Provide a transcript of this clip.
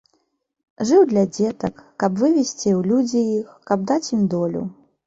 Жыў для дзетак, каб вывесці ў людзі іх, каб даць ім долю.